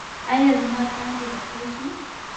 ایا زما کانګې به ښې شي؟